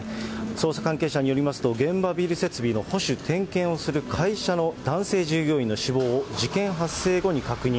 捜査関係者によりますと、現場ビル設備の保守点検をする会社の男性従業員の死亡を事件発生後に確認。